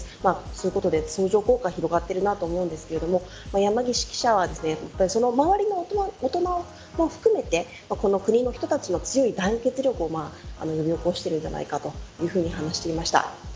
そういうことで相乗効果が広がっているなと思うんですが山岸記者は周りの大人も含めてこの国の人たちの強い団結力を呼び起こしているんじゃないかと話していました。